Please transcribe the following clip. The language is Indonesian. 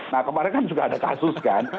nah kemarin kan juga ada kasus kan